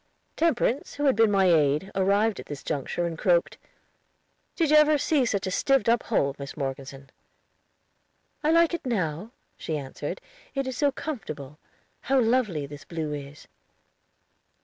Temperance, who had been my aid, arrived at this juncture and croaked. "Did you ever see such a stived up hole, Mis Morgeson?" "I like it now," she answered, "it is so comfortable. How lovely this blue is!"